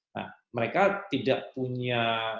nah mereka tidak punya